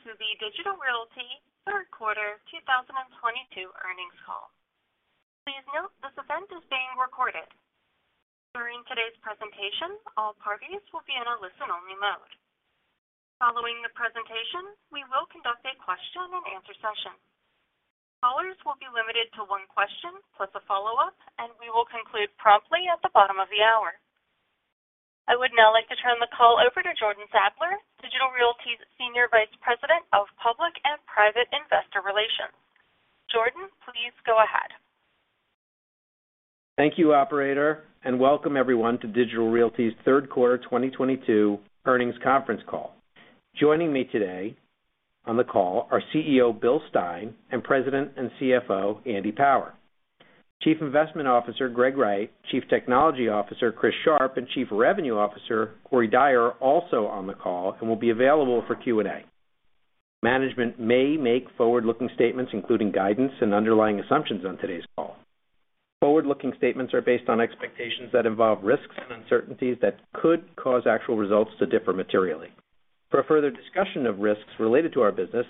Good afternoon, and welcome to the Digital Realty third quarter 2022 earnings call. Please note this event is being recorded. During today's presentation, all parties will be in a listen-only mode. Following the presentation, we will conduct a question and answer session. Callers will be limited to one question plus a follow-up, and we will conclude promptly at the bottom of the hour. I would now like to turn the call over to Jordan Sadler, Digital Realty's Senior Vice President of Public and Private Investor Relations. Jordan, please go ahead. Thank you, operator, and welcome everyone to Digital Realty's third quarter 2022 earnings conference call. Joining me today on the call are CEO, Bill Stein, and President and CFO, Andy Power. Chief Investment Officer, Greg Wright, Chief Technology Officer, Chris Sharp, and Chief Revenue Officer, Corey Dyer, also on the call and will be available for Q&A. Management may make forward-looking statements, including guidance and underlying assumptions on today's call. Forward-looking statements are based on expectations that involve risks and uncertainties that could cause actual results to differ materially. For a further discussion of risks related to our business,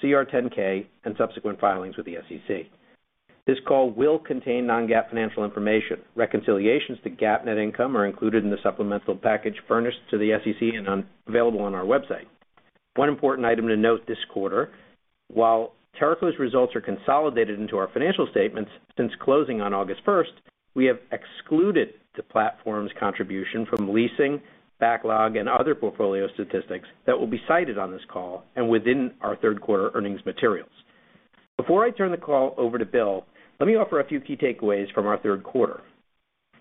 see our 10-K and subsequent filings with the SEC. This call will contain non-GAAP financial information. Reconciliations to GAAP net income are included in the supplemental package furnished to the SEC and available on our website. One important item to note this quarter, while Teraco's results are consolidated into our financial statements since closing on August 1st, we have excluded the platform's contribution from leasing backlog and other portfolio statistics that will be cited on this call and within our third quarter earnings materials. Before I turn the call over to Bill, let me offer a few key takeaways from our third quarter.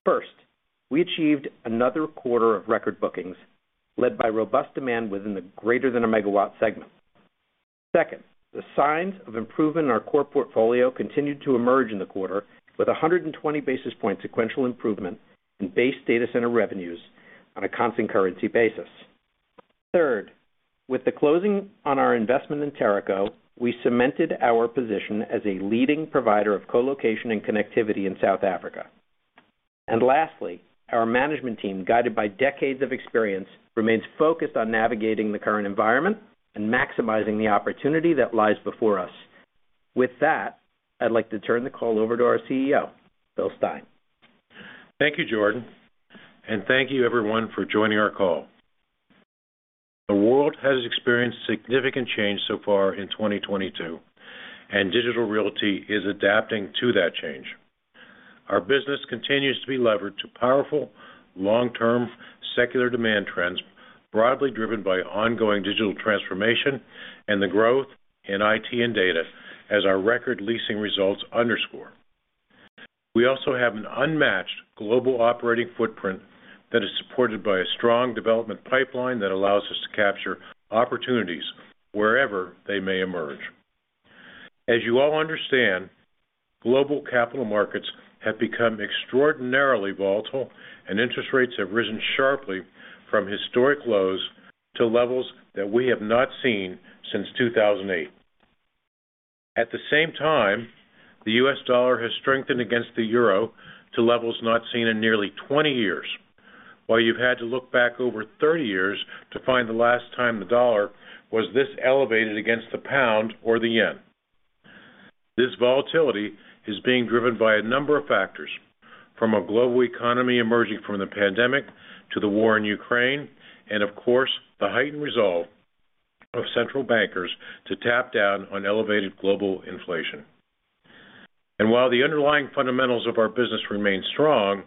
First, we achieved another quarter of record bookings led by robust demand within the greater than a megawatt segment. Second, the signs of improvement in our core portfolio continued to emerge in the quarter with 120 basis point sequential improvement in base data center revenues on a constant currency basis. Third, with the closing on our investment in Teraco, we cemented our position as a leading provider of colocation and connectivity in South Africa. Lastly, our management team, guided by decades of experience, remains focused on navigating the current environment and maximizing the opportunity that lies before us. With that, I'd like to turn the call over to our CEO, Bill Stein. Thank you, Jordan, and thank you everyone for joining our call. The world has experienced significant change so far in 2022, and Digital Realty is adapting to that change. Our business continues to be levered to powerful, long-term, secular demand trends, broadly driven by ongoing digital transformation and the growth in IT and data as our record leasing results underscore. We also have an unmatched global operating footprint that is supported by a strong development pipeline that allows us to capture opportunities wherever they may emerge. As you all understand, global capital markets have become extraordinarily volatile and interest rates have risen sharply from historic lows to levels that we have not seen since 2008. At the same time, the U.S. dollar has strengthened against the euro to levels not seen in nearly 20 years, while you've had to look back over 30 years to find the last time the dollar was this elevated against the pound or the yen. This volatility is being driven by a number of factors, from a global economy emerging from the pandemic, to the war in Ukraine, and of course, the heightened resolve of central bankers to tap down on elevated global inflation. While the underlying fundamentals of our business remain strong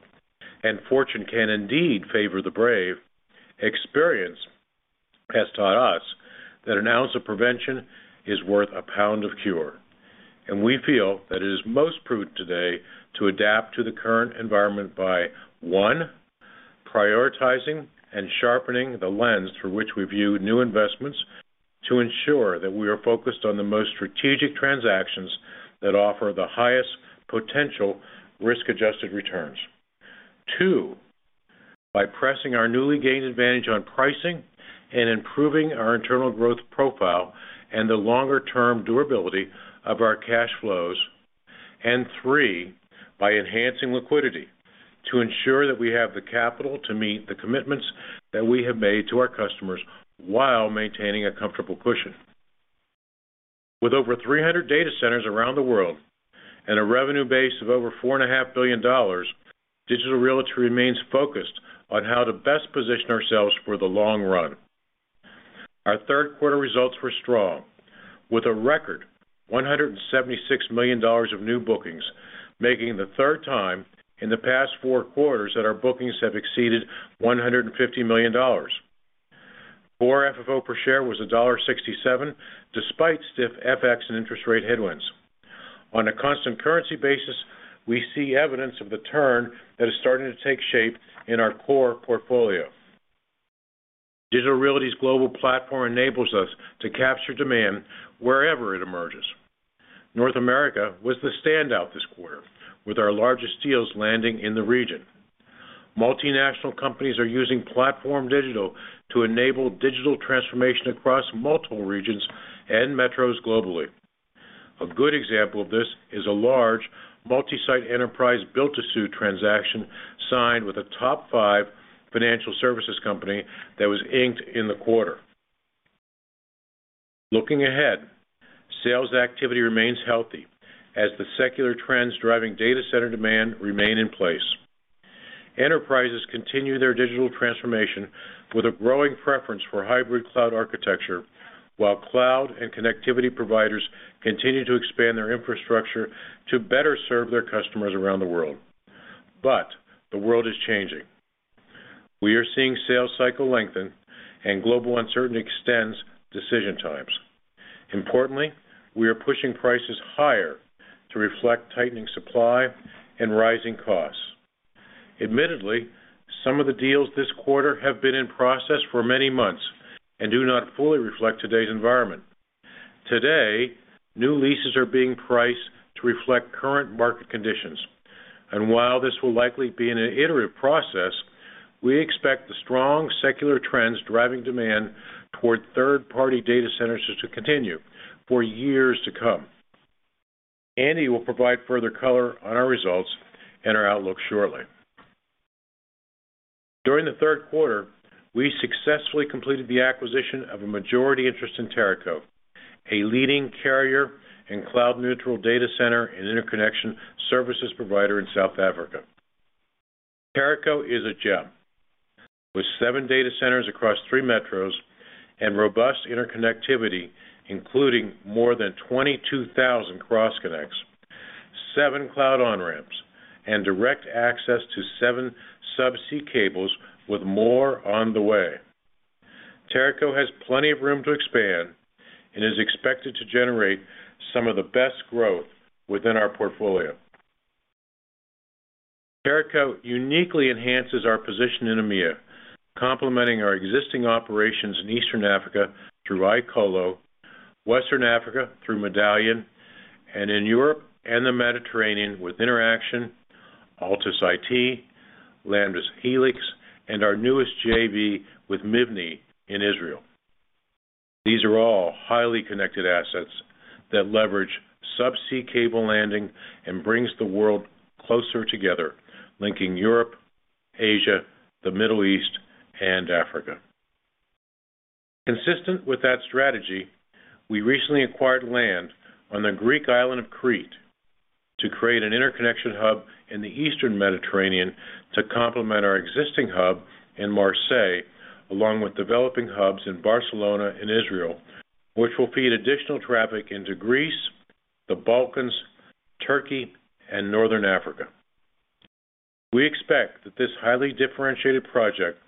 and fortune can indeed favor the brave, experience has taught us that an ounce of prevention is worth a pound of cure. We feel that it is most prudent today to adapt to the current environment by, one, prioritizing and sharpening the lens through which we view new investments to ensure that we are focused on the most strategic transactions that offer the highest potential risk-adjusted returns. Two, by pressing our newly gained advantage on pricing and improving our internal growth profile and the longer-term durability of our cash flows. Three, by enhancing liquidity to ensure that we have the capital to meet the commitments that we have made to our customers while maintaining a comfortable cushion. With over 300 data centers around the world and a revenue base of over $4.5 billion, Digital Realty remains focused on how to best position ourselves for the long run. Our third quarter results were strong, with a record $176 million of new bookings, making the third time in the past four quarters that our bookings have exceeded $150 million. Core FFO per share was $1.67, despite stiff FX and interest rate headwinds. On a constant currency basis, we see evidence of the turn that is starting to take shape in our core portfolio. Digital Realty's global platform enables us to capture demand wherever it emerges. North America was the standout this quarter, with our largest deals landing in the region. Multinational companies are using PlatformDIGITAL to enable digital transformation across multiple regions and metros globally. A good example of this is a large multi-site enterprise build-to-suit transaction signed with a top five financial services company that was inked in the quarter. Looking ahead, sales activity remains healthy as the secular trends driving data center demand remain in place. Enterprises continue their digital transformation with a growing preference for hybrid cloud architecture, while cloud and connectivity providers continue to expand their infrastructure to better serve their customers around the world. The world is changing. We are sales cycles lengthen and global uncertainty extends decision times. Importantly, we are pushing prices higher to reflect tightening supply and rising costs. Admittedly, some of the deals this quarter have been in process for many months and do not fully reflect today's environment. Today, new leases are being priced to reflect current market conditions. While this will likely be an iterative process, we expect the strong secular trends driving demand toward third-party data centers to continue for years to come. Andy will provide further color on our results and our outlook shortly. During the third quarter, we successfully completed the acquisition of a majority interest in Teraco, a leading carrier and cloud-neutral data center and interconnection services provider in South Africa. Teraco is a gem. With seven data centers across three metros and robust interconnectivity, including more than 22,000 cross-connects, seven cloud on-ramps, and direct access to seven sub-sea cables with more on the way. Teraco has plenty of room to expand and is expected to generate some of the best growth within our portfolio. Teraco uniquely enhances our position in EMEA, complementing our existing operations in Eastern Africa through iColo, Western Africa through Medallion, and in Europe and the Mediterranean with Interxion, Altus IT, Lamda Hellix, and our newest JV with Mivne in Israel. These are all highly connected assets that leverage sub-sea cable landing and brings the world closer together, linking Europe, Asia, the Middle East, and Africa. Consistent with that strategy, we recently acquired land on the Greek island of Crete to create an interconnection hub in the Eastern Mediterranean to complement our existing hub in Marseille, along with developing hubs in Barcelona and Israel, which will feed additional traffic into Greece, the Balkans, Turkey, and Northern Africa. We expect that this highly differentiated project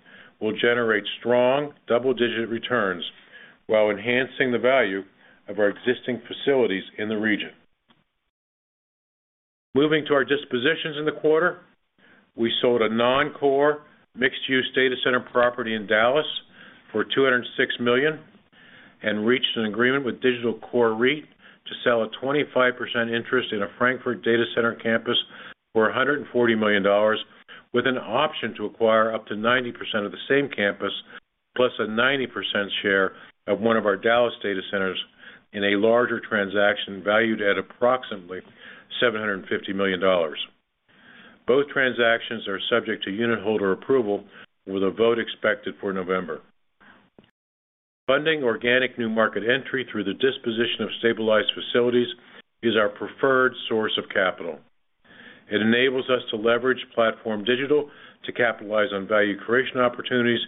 will generate strong double-digit returns while enhancing the value of our existing facilities in the region. Moving to our dispositions in the quarter, we sold a non-core mixed-use data center property in Dallas for $206 million and reached an agreement with Digital Core REIT to sell a 25% interest in a Frankfurt data center campus for $140 million with an option to acquire up to 90% of the same campus, plus a 90% share of one of our Dallas data centers in a larger transaction valued at approximately $750 million. Both transactions are subject to unitholder approval with a vote expected for November. Funding organic new market entry through the disposition of stabilized facilities is our preferred source of capital. It enables us to leverage PlatformDIGITAL to capitalize on value creation opportunities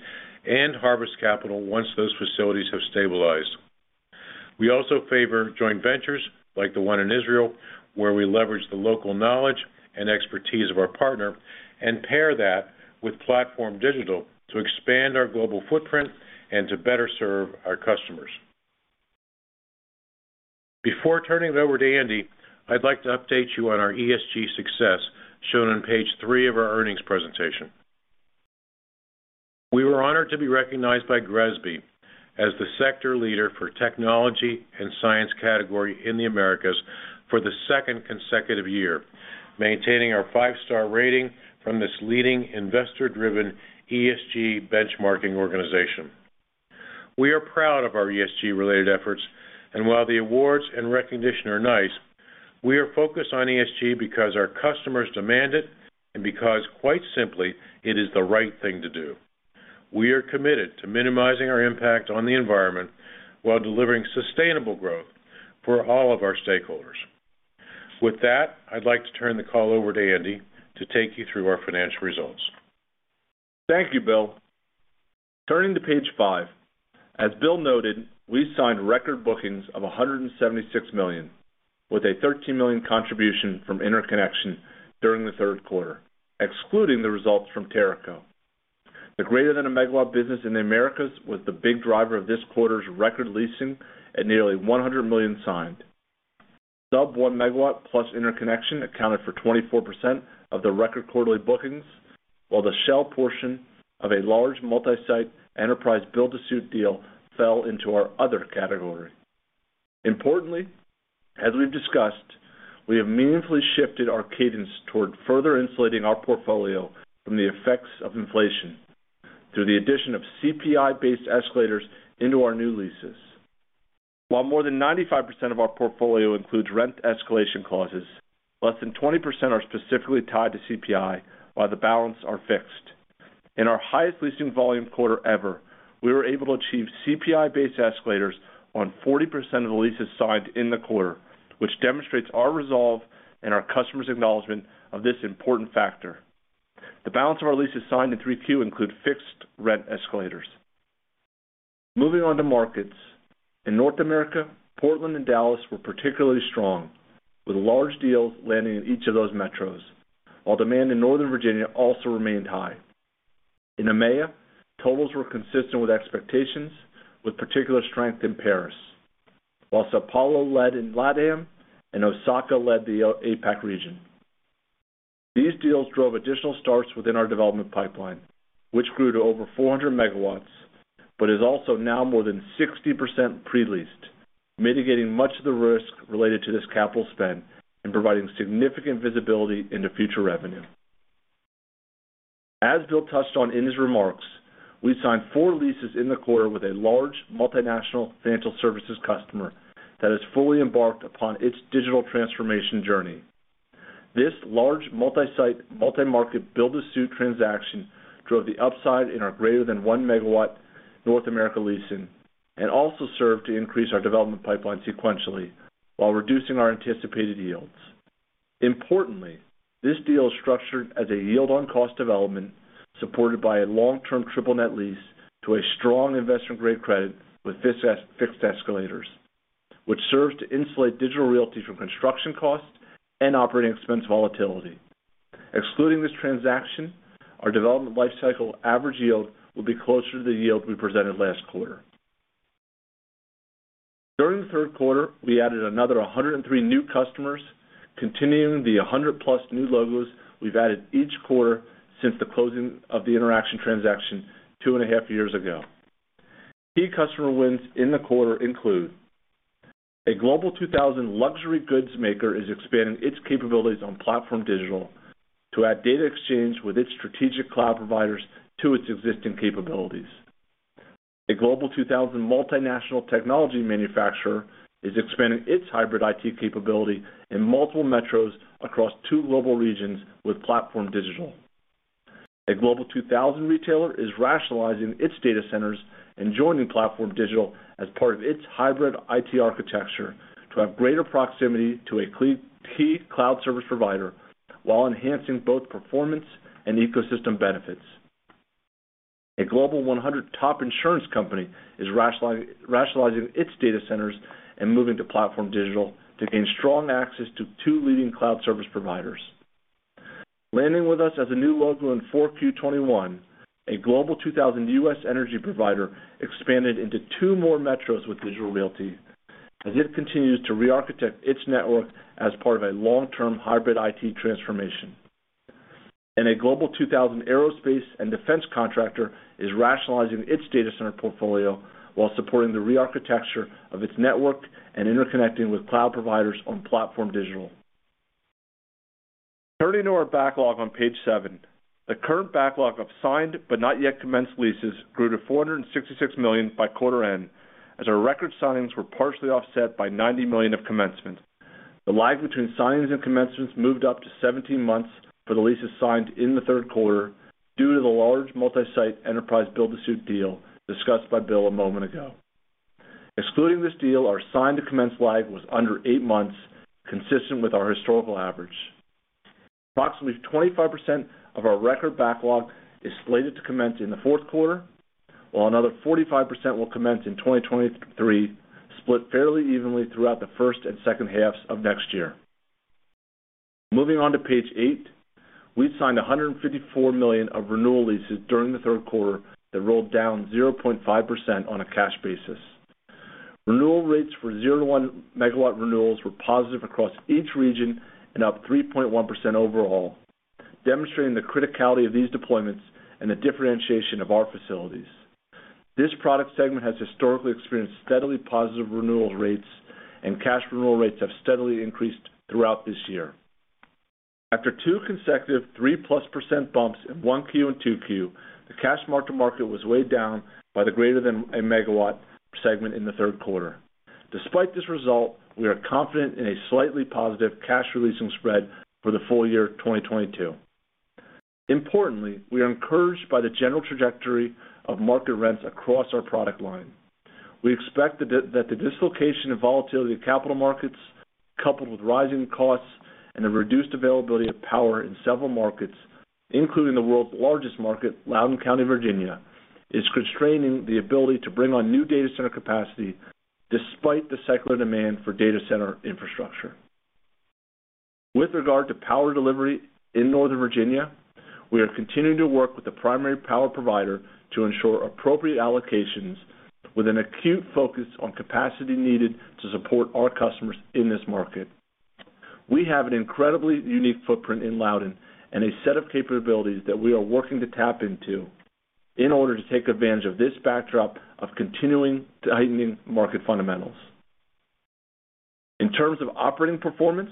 and harvest capital once those facilities have stabilized. We also favor joint ventures like the one in Israel, where we leverage the local knowledge and expertise of our partner and pair that with PlatformDIGITAL to expand our global footprint and to better serve our customers. Before turning it over to Andy, I'd like to update you on our ESG success, shown on page three of our earnings presentation. We were honored to be recognized by GRESB as the sector leader for technology and science category in the Americas for the second consecutive year, maintaining our five-star rating from this leading investor-driven ESG benchmarking organization. We are proud of our ESG-related efforts, and while the awards and recognition are nice, we are focused on ESG because our customers demand it and because, quite simply, it is the right thing to do. We are committed to minimizing our impact on the environment while delivering sustainable growth for all of our stakeholders. With that, I'd like to turn the call over to Andy to take you through our financial results. Thank you, Bill. Turning to page five, as Bill noted, we signed record bookings of $176 million, with a $13 million contribution from Interconnection during the third quarter, excluding the results from Teraco. The greater than a megawatt business in the Americas was the big driver of this quarter's record leasing at nearly $100 million signed. Sub 1 MW-plus Interconnection accounted for 24% of the record quarterly bookings, while the shell portion of a large multi-site enterprise build-to-suit deal fell into our other category. Importantly, as we've discussed, we have meaningfully shifted our cadence toward further insulating our portfolio from the effects of inflation through the addition of CPI-based escalators into our new leases. While more than 95% of our portfolio includes rent escalation clauses, less than 20% are specifically tied to CPI, while the balance are fixed. In our highest leasing volume quarter ever, we were able to achieve CPI-based escalators on 40% of the leases signed in the quarter, which demonstrates our resolve and our customers' acknowledgement of this important factor. The balance of our leases signed in 3Q include fixed rent escalators. Moving on to markets. In North America, Portland and Dallas were particularly strong, with large deals landing in each of those metros, while demand in Northern Virginia also remained high. In EMEA, totals were consistent with expectations, with particular strength in Paris, while São Paulo led in LatAm, and Osaka led the APAC region. These deals drove additional starts within our development pipeline, which grew to over 400 MW, but is also now more than 60% pre-leased, mitigating much of the risk related to this capital spend and providing significant visibility into future revenue. As Bill touched on in his remarks, we signed four leases in the quarter with a large multinational financial services customer that has fully embarked upon its digital transformation journey. This large multi-site, multi-market build-to-suit transaction drove the upside in our greater than 1 MW North America leasing and also served to increase our development pipeline sequentially while reducing our anticipated yields. Importantly, this deal is structured as a yield on cost development supported by a long-term triple-net lease to a strong investment-grade credit with fixed escalators, which serves to insulate Digital Realty from construction costs and operating expense volatility. Excluding this transaction, our development life cycle average yield will be closer to the yield we presented last quarter. During the third quarter, we added another 103 new customers, continuing the 100+ new logos we've added each quarter since the closing of the Interxion transaction 2.5 years ago. Key customer wins in the quarter include a Global 2000 luxury goods maker is expanding its capabilities on PlatformDIGITAL to add data exchange with its strategic cloud providers to its existing capabilities. A Global 2000 multinational technology manufacturer is expanding its hybrid IT capability in multiple metros across two global regions with PlatformDIGITAL. A Global 2000 retailer is rationalizing its data centers and joining PlatformDIGITAL as part of its hybrid IT architecture to have greater proximity to a key cloud service provider while enhancing both performance and ecosystem benefits. A Global 100 top insurance company is rationalizing its data centers and moving to PlatformDIGITAL to gain strong access to two leading cloud service providers. Landing with us as a new logo in 4Q 2021, a Global 2000 U.S. energy provider expanded into two more metros with Digital Realty as it continues to re-architect its network as part of a long-term hybrid IT transformation. A Global 2000 aerospace and defense contractor is rationalizing its data center portfolio while supporting the re-architecture of its network and interconnecting with cloud providers on PlatformDIGITAL. Turning to our backlog on page seven. The current backlog of signed but not yet commenced leases grew to $466 million by quarter end, as our record signings were partially offset by $90 million of commencement. The lag between signings and commencements moved up to 17 months for the leases signed in the third quarter due to the large multi-site enterprise build-to-suit deal discussed by Bill a moment ago. Excluding this deal, our signed to commence lag was under eight months, consistent with our historical average. Approximately 25% of our record backlog is slated to commence in the fourth quarter, while another 45% will commence in 2023, split fairly evenly throughout the first and second halves of next year. Moving on to page eight. We've signed $154 million of renewal leases during the third quarter that rolled down 0.5% on a cash basis. Renewal rates for 0-1 MW renewals were positive across each region and up 3.1% overall, demonstrating the criticality of these deployments and the differentiation of our facilities. This product segment has historically experienced steadily positive renewal rates, and cash renewal rates have steadily increased throughout this year. After two consecutive 3%+ bumps in 1Q and 2Q, the cash mark-to-market was weighed down by the greater than a megawatt segment in the third quarter. Despite this result, we are confident in a slightly positive cash releasing spread for the full year 2022. Importantly, we are encouraged by the general trajectory of market rents across our product line. We expect that the dislocation and volatility of capital markets, coupled with rising costs and a reduced availability of power in several markets, including the world's largest market, Loudoun County, Virginia, is constraining the ability to bring on new data center capacity despite the secular demand for data center infrastructure. With regard to power delivery in Northern Virginia, we are continuing to work with the primary power provider to ensure appropriate allocations with an acute focus on capacity needed to support our customers in this market. We have an incredibly unique footprint in Loudoun and a set of capabilities that we are working to tap into in order to take advantage of this backdrop of continuing tightening market fundamentals. In terms of operating performance,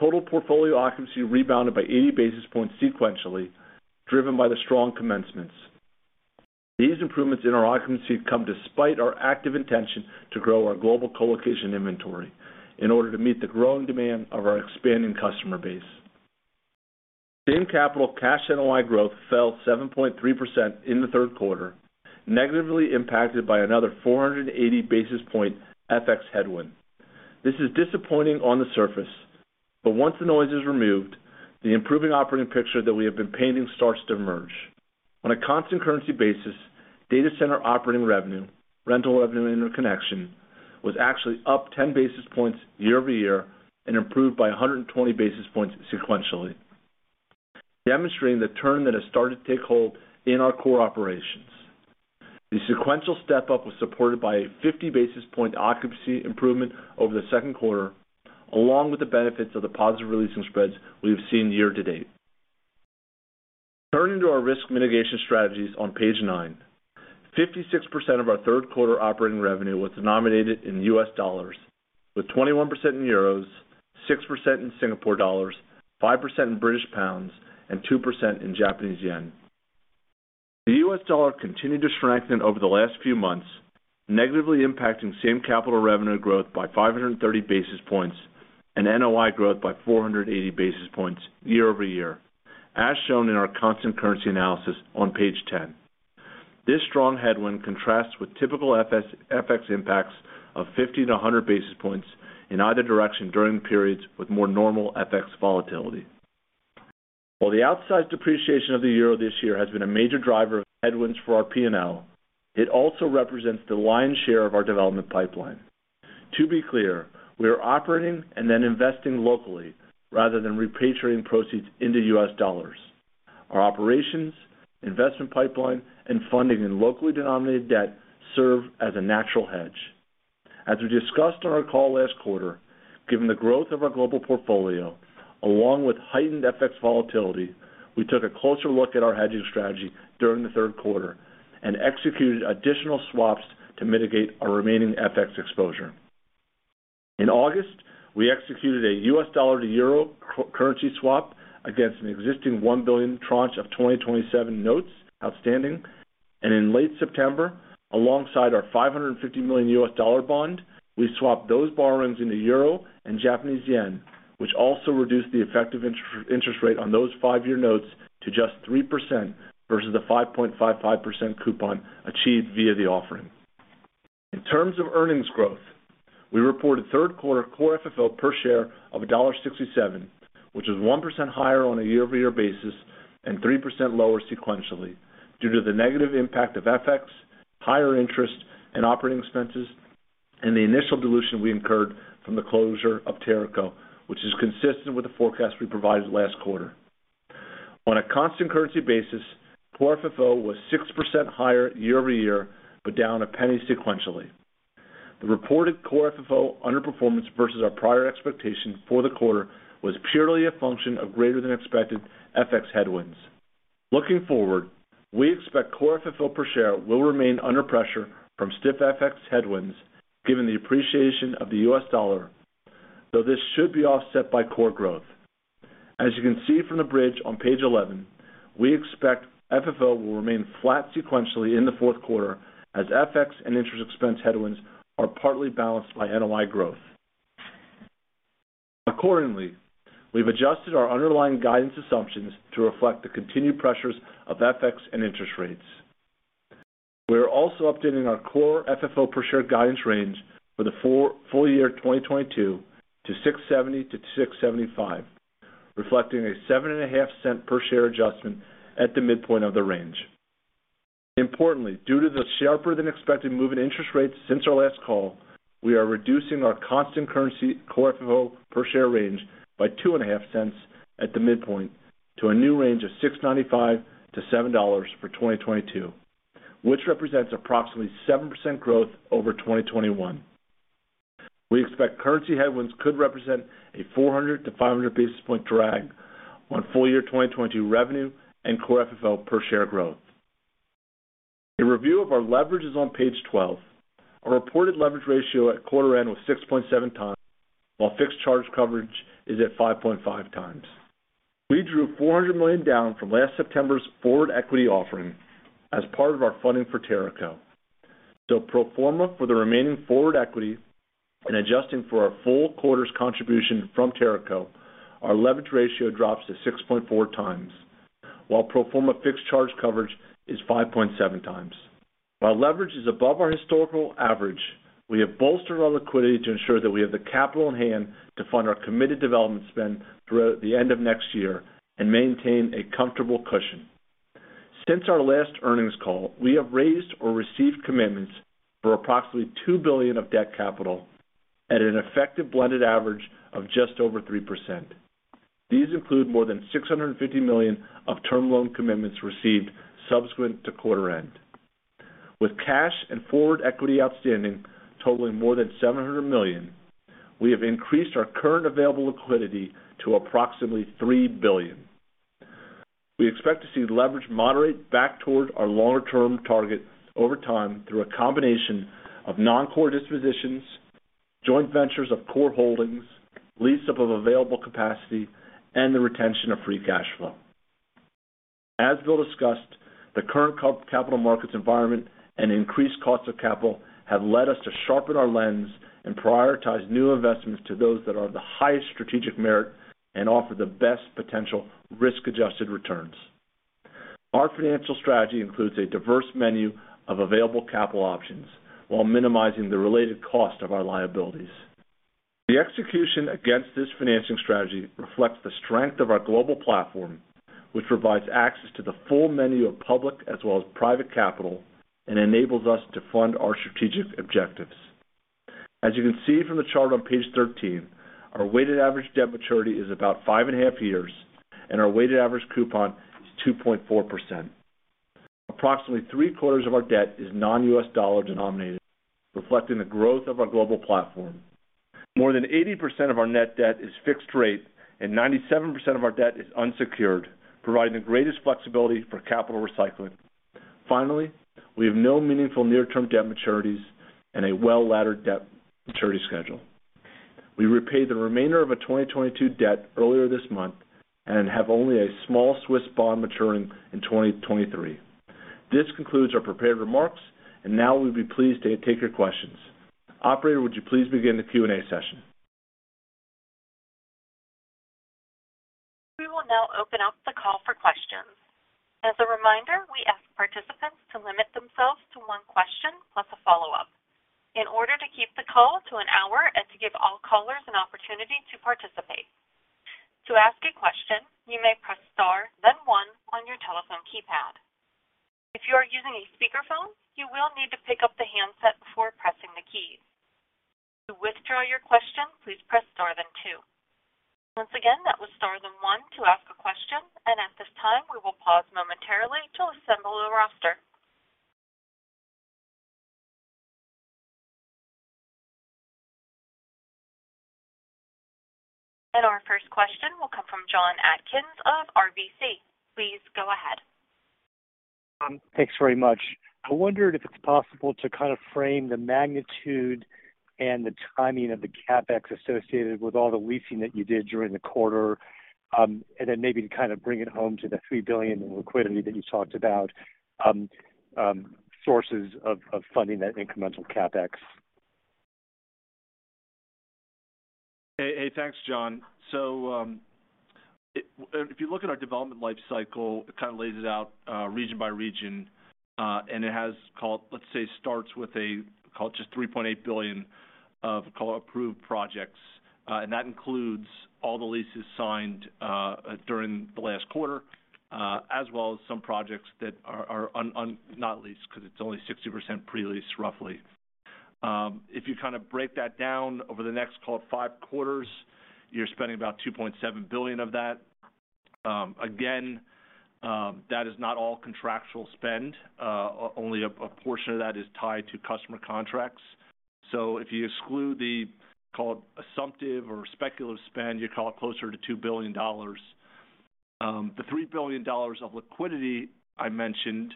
total portfolio occupancy rebounded by 80 basis points sequentially, driven by the strong commencements. These improvements in our occupancy come despite our active intention to grow our global colocation inventory in order to meet the growing demand of our expanding customer base. Same capital cash NOI growth fell 7.3% in the third quarter, negatively impacted by another 480 basis point FX headwind. This is disappointing on the surface, but once the noise is removed, the improving operating picture that we have been painting starts to emerge. On a constant-currency basis, data center operating revenue, rental revenue, and interconnection was actually up 10 basis points year-over-year and improved by 120 basis points sequentially, demonstrating the turn that has started to take hold in our core operations. The sequential step-up was supported by a 50 basis point occupancy improvement over the second quarter, along with the benefits of the positive leasing spreads we have seen year to date. Turning to our risk mitigation strategies on page nine. 56% of our third quarter operating revenue was denominated in U.S. dollars, with 21% in euros, 6% in Singapore dollars, 5% in British pounds, and 2% in Japanese yen. The U.S. dollar continued to strengthen over the last few months, negatively impacting same capital revenue growth by 530 basis points and NOI growth by 480 basis points year-over-year, as shown in our constant currency analysis on page 10. This strong headwind contrasts with typical FX impacts of 50-100 basis points in either direction during periods with more normal FX volatility. While the outsized depreciation of the euro this year has been a major driver of headwinds for our P&L, it also represents the lion's share of our development pipeline. To be clear, we are operating and then investing locally rather than repatriating proceeds into U.S. dollars. Our operations, investment pipeline, and funding in locally denominated debt serve as a natural hedge. As we discussed on our call last quarter, given the growth of our global portfolio along with heightened FX volatility, we took a closer look at our hedging strategy during the third quarter and executed additional swaps to mitigate our remaining FX exposure. In August, we executed a U.S. Dollar to euro currency swap against an existing $1 billion tranche of 2027 notes outstanding. In late September, alongside our $550 million bond, we swapped those borrowings into euro and Japanese yen, which also reduced the effective interest rate on those five-year notes to just 3% versus the 5.55% coupon achieved via the offering. In terms of earnings growth, we reported third quarter core FFO per share of $1.67, which is 1% higher on a year-over-year basis and 3% lower sequentially due to the negative impact of FX, higher interest and operating expenses, and the initial dilution we incurred from the closure of Teraco, which is consistent with the forecast we provided last quarter. On a constant currency basis, core FFO was 6% higher year-over-year, but down $0.01 sequentially. The reported core FFO underperformance versus our prior expectation for the quarter was purely a function of greater than expected FX headwinds. Looking forward, we expect core FFO per share will remain under pressure from stiff FX headwinds given the appreciation of the U.S. dollar, though this should be offset by core growth. As you can see from the bridge on page 11, we expect FFO will remain flat sequentially in the fourth quarter as FX and interest expense headwinds are partly balanced by NOI growth. Accordingly, we've adjusted our underlying guidance assumptions to reflect the continued pressures of FX and interest rates. We are also updating our core FFO per share guidance range for the full year 2022 to $6.70-$6.75, reflecting a $0.075 per share adjustment at the midpoint of the range. Importantly, due to the sharper than expected move in interest rates since our last call, we are reducing our constant currency core FFO per share range by $0.025 at the midpoint to a new range of $6.95-$7 for 2022, which represents approximately 7% growth over 2021. We expect currency headwinds could represent a 400-500 basis point drag on full year 2022 revenue and core FFO per share growth. A review of our leverage is on page 12. Our reported leverage ratio at quarter end was 6.7x, while fixed charge coverage is at 5.5x. We drew $400 million down from last September's forward equity offering as part of our funding for Teraco. Pro forma for the remaining forward equity and adjusting for our full quarter's contribution from Teraco, our leverage ratio drops to 6.4x, while pro forma fixed charge coverage is 5.7x. While leverage is above our historical average, we have bolstered our liquidity to ensure that we have the capital on hand to fund our committed development spend throughout the end of next year and maintain a comfortable cushion. Since our last earnings call, we have raised or received commitments for approximately $2 billion of debt capital at an effective blended average of just over 3%. These include more than $650 million of term loan commitments received subsequent to quarter end. With cash and forward equity outstanding totaling more than $700 million, we have increased our current available liquidity to approximately $3 billion. We expect to see leverage moderate back toward our longer-term target over time through a combination of non-core dispositions, joint ventures of core holdings, lease of available capacity, and the retention of free cash flow. As Bill discussed, the current capital markets environment and increased cost of capital have led us to sharpen our lens and prioritize new investments to those that are of the highest strategic merit and offer the best potential risk-adjusted returns. Our financial strategy includes a diverse menu of available capital options while minimizing the related cost of our liabilities. The execution against this financing strategy reflects the strength of our global platform, which provides access to the full menu of public as well as private capital and enables us to fund our strategic objectives. As you can see from the chart on page 13, our weighted average debt maturity is about 5.5 years, and our weighted average coupon is 2.4%. Approximately three-quarters of our debt is non-U.S. dollar denominated, reflecting the growth of our global platform. More than 80% of our net debt is fixed rate and 97% of our debt is unsecured, providing the greatest flexibility for capital recycling. Finally, we have no meaningful near-term debt maturities and a well-laddered debt maturity schedule. We repaid the remainder of a 2022 debt earlier this month and have only a small Swiss bond maturing in 2023. This concludes our prepared remarks, and now we'll be pleased to take your questions. Operator, would you please begin the Q&A session? We will now open up the call for questions. As a reminder, we ask participants to limit themselves to one question plus a follow-up in order to keep the call to an hour and to give all callers an opportunity to participate. To ask a question, you may press Star, then one on your telephone keypad. If you are using a speakerphone, you will need to pick up the handset before pressing the keys. To withdraw your question, please press Star then two. Once again, that was Star then one to ask a question. At this time, we will pause momentarily to assemble a roster. Our first question will come from Jon Atkin of RBC. Please go ahead. Thanks very much. I wondered if it's possible to kind of frame the magnitude and the timing of the CapEx associated with all the leasing that you did during the quarter, and then maybe to kind of bring it home to the $3 billion in liquidity that you talked about, sources of funding that incremental CapEx. Hey, thanks, Jon. If you look at our development life cycle, it kind of lays it out, region by region, and it has, let's say, starts with just $3.8 billion of approved projects, and that includes all the leases signed during the last quarter, as well as some projects that are not leased because it's only 60% pre-leased, roughly. If you kinda break that down over the next, call it, five quarters, you're spending about $2.7 billion of that. Again, that is not all contractual spend. Only a portion of that is tied to customer contracts. If you exclude the, call it, assumptive or speculative spend, you're call it closer to $2 billion. The $3 billion of liquidity I mentioned,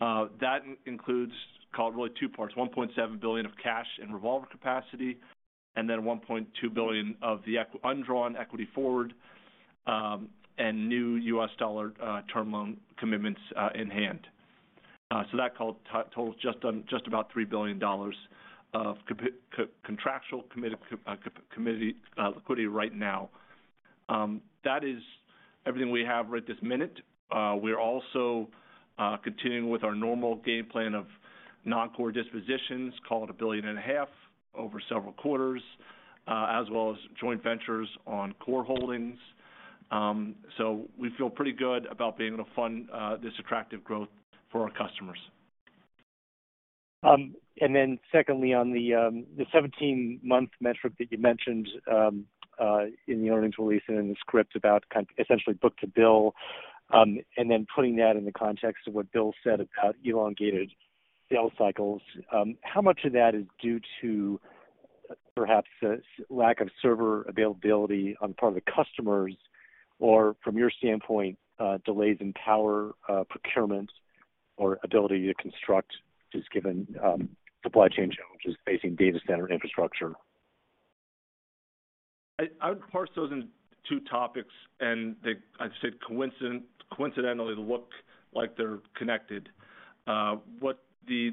that includes call it really two parts, $1.7 billion of cash and revolver capacity, and then $1.2 billion of the undrawn equity forward, and new U.S. dollar term loan commitments in hand. That totals just about $3 billion of contractually committed liquidity right now. That is everything we have right this minute. We're also continuing with our normal game plan of non-core dispositions, call it $1.5 billion over several quarters, as well as joint ventures on core holdings. We feel pretty good about being able to fund this attractive growth for our customers. Secondly, on the 17-month metric that you mentioned in the earnings release and in the script about essentially book to bill, and then putting that in the context of what Bill said about elongated sales cycles, how much of that is due to perhaps this lack of server availability on the part of the customers or from your standpoint, delays in power procurement or ability to construct, just given supply chain challenges facing data center infrastructure? I would parse those in two topics, and they—I'd say coincidentally, look like they're connected. What the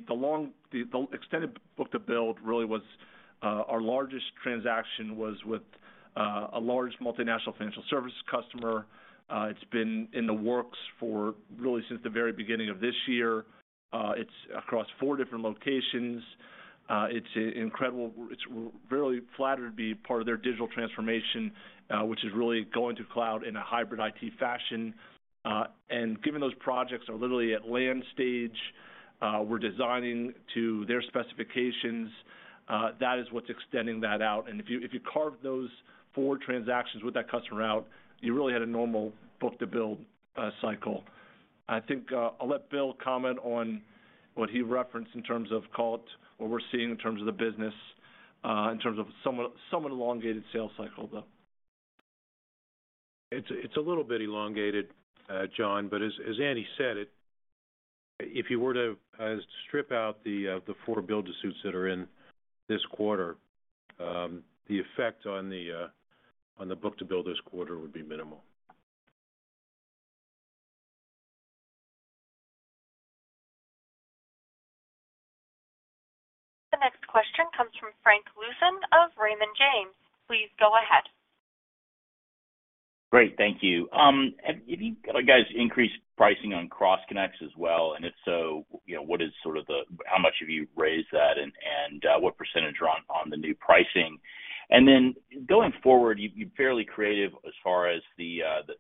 extended book to build really was, our largest transaction was with a large multinational financial services customer. It's been in the works for really since the very beginning of this year. It's across four different locations. It's incredible. We're really flattered to be part of their digital transformation, which is really going to cloud in a hybrid IT fashion. Given those projects are literally at land stage, we're designing to their specifications. That is what's extending that out. If you carve those four transactions with that customer out, you really had a normal book to build cycle. I think I'll let Bill comment on what he referenced in terms of call it what we're seeing in terms of the business, in terms of somewhat elongated sales cycle, though. It's a little bit elongated, Jon, but as Andy said, if you were to strip out the four build-to-suits that are in this quarter, the effect on the book-to-bill this quarter would be minimal. The next question comes from Frank Louthan of Raymond James. Please go ahead. Great. Thank you. Have any of you guys increased pricing on cross-connects as well? If so, what is sort of how much have you raised that, and what percentage are on the new pricing? Then going forward, you're fairly creative as far as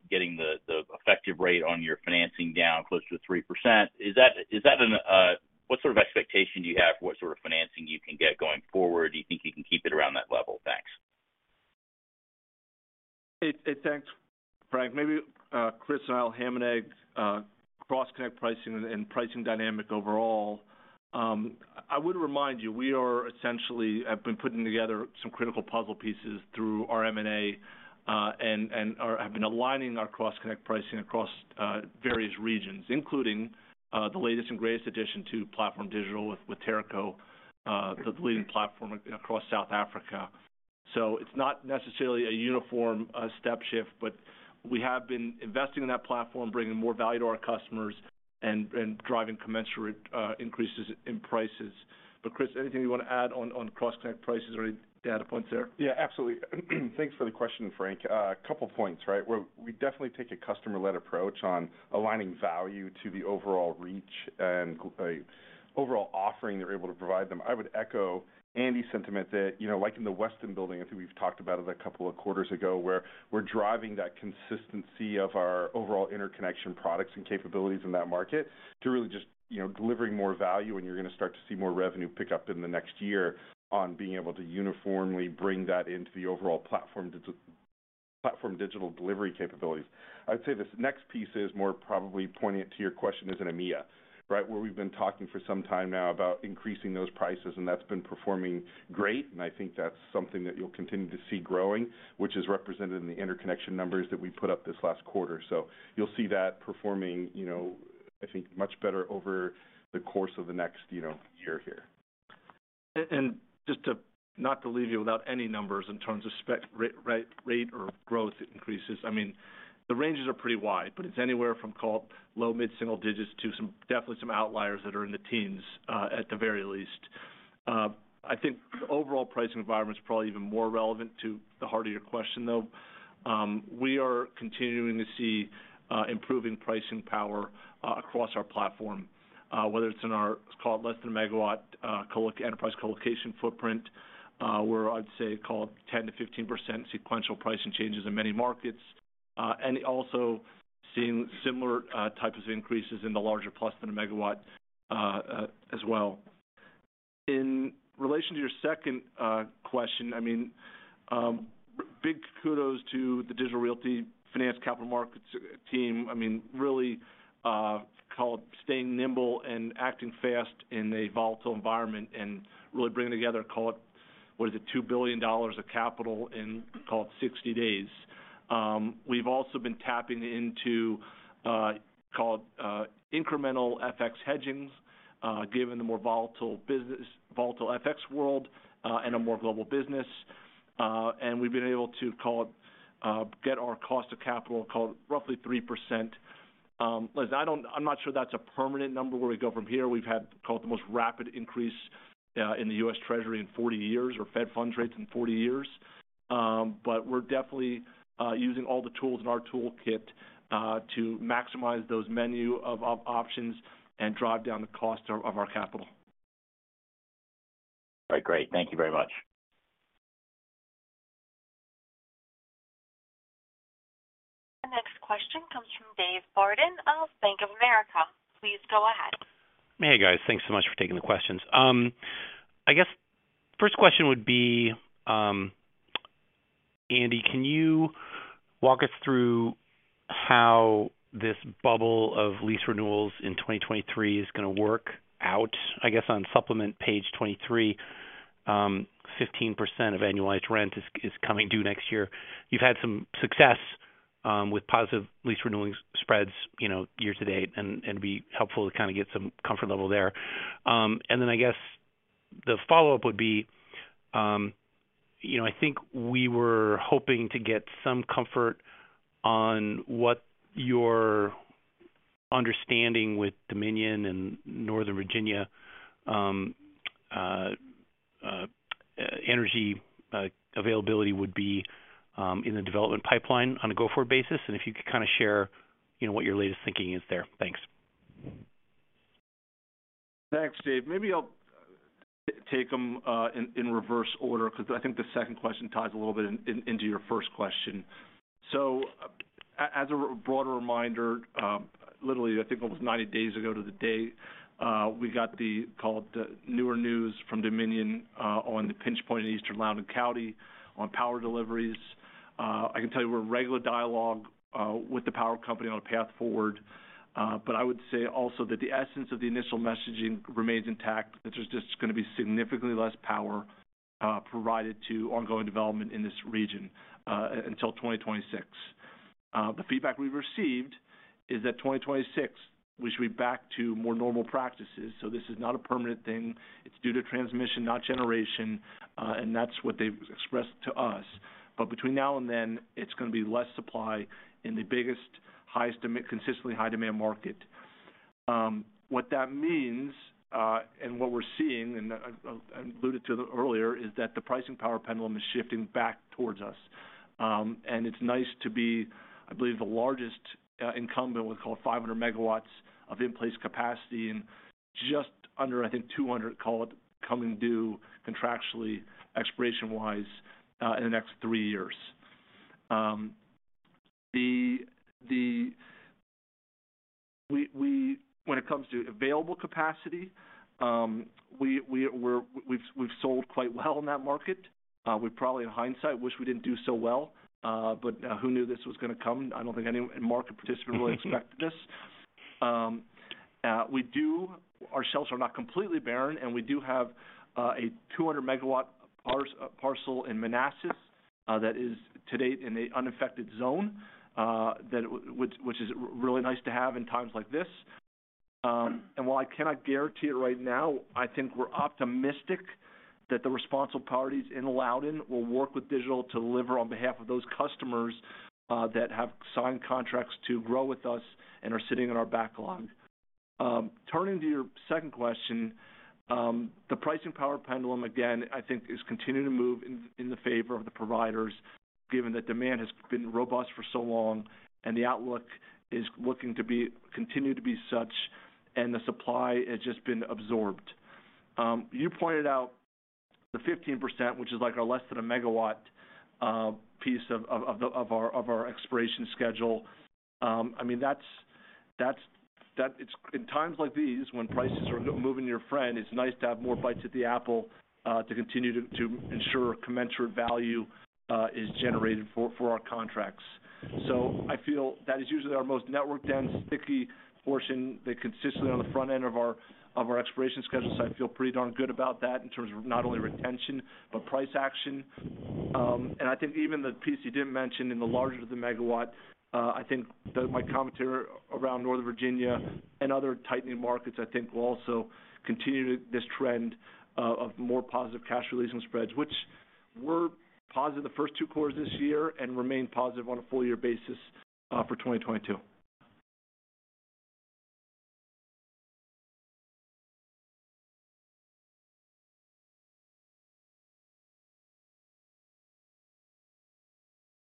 getting the effective rate on your financing down close to 3%. Is that what sort of expectation do you have for what sort of financing you can get going forward? Do you think you can keep it around that level? Thanks. Thanks, Frank. Maybe Chris and I will ham and egg cross-connect pricing and pricing dynamics overall. I would remind you, we essentially have been putting together some critical puzzle pieces through our M&A, and have been aligning our cross-connect pricing across various regions, including the latest and greatest addition to PlatformDIGITAL with Teraco, the leading platform across South Africa. It's not necessarily a uniform step shift, but we have been investing in that platform, bringing more value to our customers and driving commensurate increases in prices. Chris, anything you wanna add on cross-connect prices or any data points there? Yeah, absolutely. Thanks for the question, Frank. A couple points, right? We definitely take a customer-led approach on aligning value to the overall reach and overall offering they're able to provide them. I would echo Andy's sentiment that, you know, like in the Westin Building, I think we've talked about it a couple of quarters ago, where we're driving that consistency of our overall interconnection products and capabilities in that market to really just, you know, delivering more value, and you're gonna start to see more revenue pick up in the next year on being able to uniformly bring that into the overall PlatformDIGITAL delivery capabilities. I'd say this next piece is more probably pointing to your question is in EMEA, right? We've been talking for some time now about increasing those prices, and that's been performing great, and I think that's something that you'll continue to see growing, which is represented in the interconnection numbers that we put up this last quarter. You'll see that performing, you know, I think, much better over the course of the next, you know, year here. Just to not leave you without any numbers in terms of spec rate or growth increases, I mean, the ranges are pretty wide, but it's anywhere from, call it, low mid-single digits to definitely some outliers that are in the teens, at the very least. I think the overall pricing environment is probably even more relevant to the heart of your question, though. We are continuing to see improving pricing power across our platform, whether it's in our, call it, less than a megawatt enterprise colocation footprint, where I'd say, call it, 10%-15% sequential pricing changes in many markets. Also seeing similar types of increases in the larger than a megawatt as well. In relation to your second question, I mean, big kudos to the Digital Realty finance capital markets team. I mean, really, call it staying nimble and acting fast in a volatile environment and really bringing together, call it, what is it? $2 billion of capital in, call it, 60 days. We've also been tapping into, call it, incremental FX hedgings, given the more volatile business, volatile FX world, and a more global business. We've been able to, call it, get our cost of capital, call it, roughly 3%. Listen, I'm not sure that's a permanent number where we go from here. We've had, call it, the most rapid increase, in the U.S. Treasury in 40 years or Fed Fund rates in 40 years. We're definitely using all the tools in our toolkit to maximize those menu of options and drive down the cost of our capital. All right, great. Thank you very much. The next question comes from David Barden of Bank of America. Please go ahead. Hey, guys. Thanks so much for taking the questions. I guess first question would be, Andy, can you walk us through how this bubble of lease renewals in 2023 is gonna work out? I guess on supplement page 23, 15% of annualized rent is coming due next year. You've had some success with positive lease renewing spreads, you know, year to date, and it'd be helpful to kinda get some comfort level there. And then I guess the follow-up would be, you know, I think we were hoping to get some comfort on what your understanding with Dominion and Northern Virginia energy availability would be in the development pipeline on a go-forward basis, and if you could kinda share, you know, what your latest thinking is there. Thanks. Thanks, Dave. Maybe I'll take them in reverse order because I think the second question ties a little bit into your first question. As a broader reminder, literally, I think it was 90 days ago to the day, we got the, call it, the newer news from Dominion on the pinch point in Eastern Loudoun County on power deliveries. I can tell you we're in regular dialogue with the power company on a path forward. But I would say also that the essence of the initial messaging remains intact. That there's just gonna be significantly less power provided to ongoing development in this region until 2026. The feedback we've received is that 2026, we should be back to more normal practices. This is not a permanent thing. It's due to transmission, not generation, and that's what they've expressed to us. Between now and then, it's gonna be less supply in the biggest, highest consistently high demand market. What that means, and what we're seeing, and I alluded to the earlier, is that the pricing power pendulum is shifting back towards us. It's nice to be, I believe, the largest incumbent with call it 500 MW of in-place capacity and just under, I think, 200, call it, coming due contractually, expiration-wise, in the next three years. When it comes to available capacity, we've sold quite well in that market. We probably, in hindsight, wish we didn't do so well, but who knew this was gonna come? I don't think any market participant really expected this. Our shelves are not completely barren, and we do have a 200 MW parcel in Manassas, that is to date in an unaffected zone, that which is really nice to have in times like this. While I cannot guarantee it right now, I think we're optimistic that the responsible parties in Loudoun will work with Digital to deliver on behalf of those customers that have signed contracts to grow with us and are sitting in our backlog. Turning to your second question, the pricing power pendulum, again, I think is continuing to move in the favor of the providers, given that demand has been robust for so long and the outlook is looking to continue to be such, and the supply has just been absorbed. You pointed out the 15%, which is like our less than a megawatt piece of our expiration schedule. I mean, that's it in times like these, when prices are moving in your favor, it's nice to have more bites at the apple to continue to ensure commensurate value is generated for our contracts. That is usually our most network-dense, sticky portion that is consistently on the front end of our expiration schedules. I feel pretty darn good about that in terms of not only retention, but price action. I think even the piece you didn't mention in the larger megawatt, I think that my commentary around Northern Virginia and other tightening markets, I think will also continue this trend of more positive cash leasing spreads, which were positive the first two quarters this year and remain positive on a full year basis, for 2022.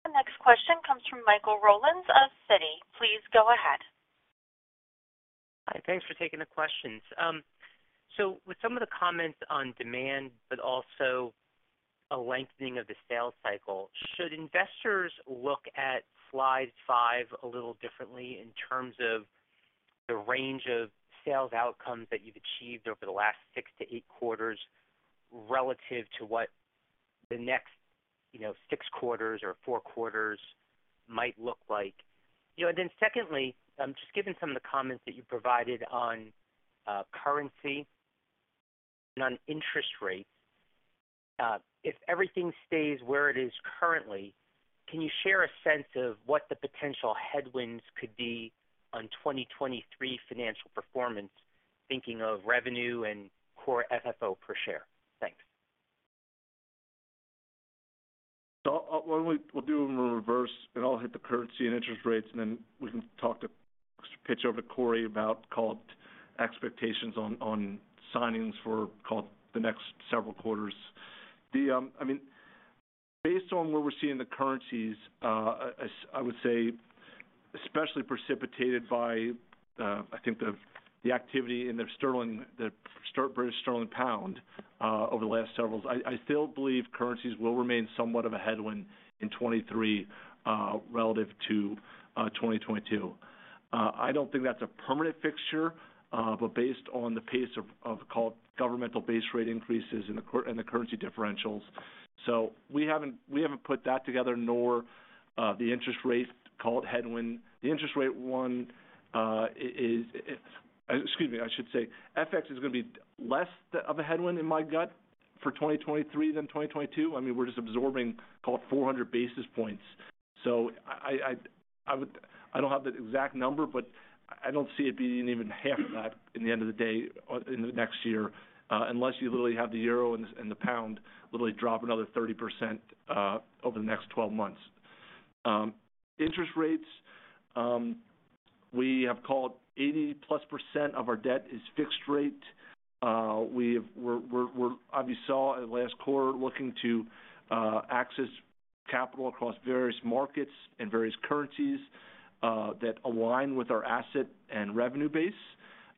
The next question comes from Michael Rollins of Citi. Please go ahead. Hi. Thanks for taking the questions. So with some of the comments on demand, but also a lengthening of the sales cycle, should investors look at slide five a little differently in terms of the range of sales outcomes that you've achieved over the last six to eight quarters relative to what the next, you know, six quarters or four quarters might look like? You know, secondly, just given some of the comments that you provided on currency and on interest rates, if everything stays where it is currently, can you share a sense of what the potential headwinds could be on 2023 financial performance, thinking of revenue and core FFO per share? Thanks. We'll do them in reverse, and I'll hit the currency and interest rates, and then we can pitch over to Corey about call it expectations on signings for call it the next several quarters. I mean, based on where we're seeing the currencies, as I would say, especially precipitated by I think the activity in the sterling, British sterling pound over the last several. I still believe currencies will remain somewhat of a headwind in 2023 relative to 2022. I don't think that's a permanent fixture, but based on the pace of call it governmental base rate increases and the currency differentials. We haven't put that together, nor the interest rate call it headwind. The interest rate one, excuse me, I should say, FX is gonna be less of a headwind in my gut for 2023 than 2022. I mean, we're just absorbing call it 400 basis points. I would—I don't have the exact number, but I don't see it being even half of that at the end of the day or in the next year, unless you literally have the euro and the pound literally drop another 30% over the next 12 months. Interest rates, we have call it 80+% of our debt is fixed rate. We're obviously last quarter looking to access capital across various markets and various currencies that align with our asset and revenue base